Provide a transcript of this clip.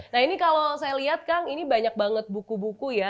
nah ini kalau saya lihat kang ini banyak banget buku buku ya